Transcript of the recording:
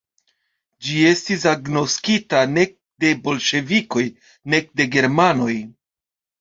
Ĝi estis agnoskita nek de bolŝevikoj, nek de germanoj.